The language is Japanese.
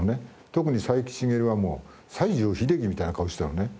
特に斉木しげるは西城秀樹みたいな顔してたのね。